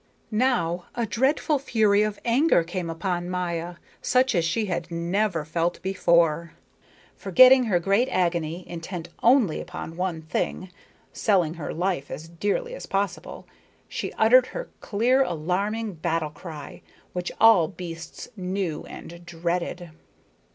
Now a dreadful fury of anger came upon Maya, such as she had never felt before. Forgetting her great agony, intent only upon one thing selling her life as dearly as possible she uttered her clear, alarming battle cry, which all beasts knew and dreaded.